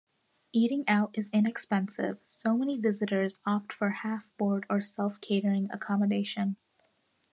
Eating out is inexpensive; so many visitors opt for half-board or self-catering accommodation.